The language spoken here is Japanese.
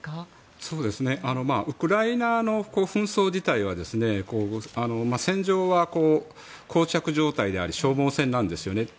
ウクライナの紛争自体は戦場は膠着状態であり消耗戦なんですよね。